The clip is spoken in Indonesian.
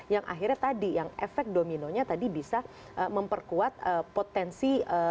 yang akhirnya tadi yang efek dominonya tadi bisa memperkuat potensi